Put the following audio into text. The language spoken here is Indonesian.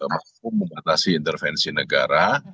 mampu membatasi intervensi negara